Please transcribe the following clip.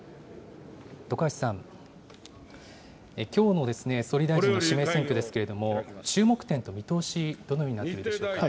徳橋さん、きょうの総理大臣の指名選挙ですけれども、注目点と見通し、どのようになっているでしょうか。